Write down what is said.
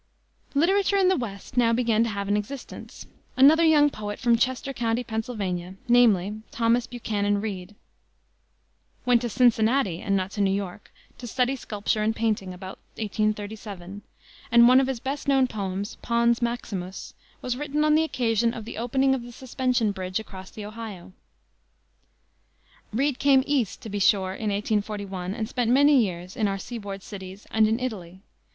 Literature in the West now began to have an existence. Another young poet from Chester County, Pa., namely, Thomas Buchanan Read, went to Cincinnati, and not to New York, to study sculpture and painting, about 1837, and one of his best known poems, Pons Maximus, was written on the occasion of the opening of the suspension bridge across the Ohio. Read came East, to be sure, in 1841, and spent many years in our seaboard cities and in Italy.